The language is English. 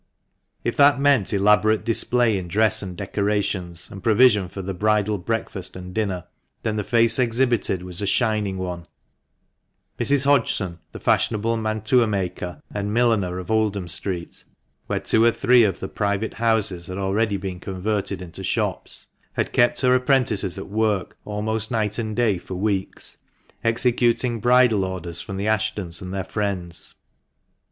If that meant elaborate display in dress and decorations, and provision for the bridal breakfast and dinner, then the face exhibited was a shining one. Mrs. Hodgson, the fashionable mantua maker and milliner, of Oldham Street (where two or three of the private houses had already been converted into shops), had kept her apprentices at work almost night and day for weeks, executing bridal orders from the Ashtons and their friends.